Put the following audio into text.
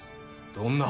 どんな？